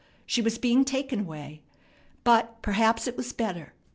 She was being taken away. But perhaps it was better.